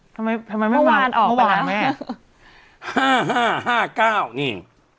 ทำไมไม่มาออกไปแล้วแม่๕๕๕๙นี่